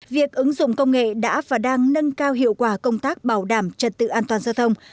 việc ứng dụng công nghệ đã và đang nâng cao hiệu quả công tác bảo đảm trật tự an toàn giao thông